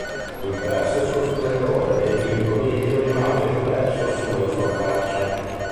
Lui perse il suo splendore ed il coniglio rimase impresso sulla sua faccia.